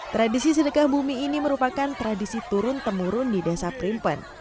tradisi sedekah bumi ini merupakan tradisi turun temurun di desa primpen